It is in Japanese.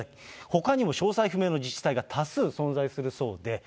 ほかにも詳細不明の自治体が多数存在するそうで。